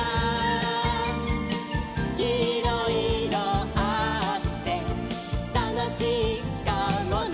「いろいろあってたのしいかもね」